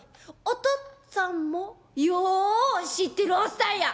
おとっつぁんもよう知ってるおっさんや」。